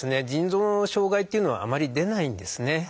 腎臓の障害というのはあまり出ないんですね。